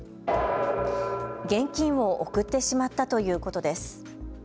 現金を送ってしまったということです。